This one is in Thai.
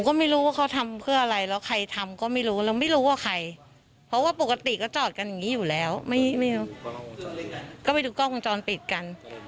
ก็ไปดูกล้องกองจรปิดกัน